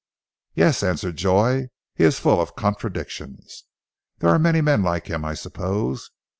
"Yes," answered Joy. "He is full of contradictions. There are many men like him, I suppose.